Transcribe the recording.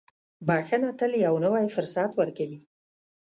• بښنه تل یو نوی فرصت ورکوي.